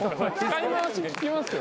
使い回し効きますよ。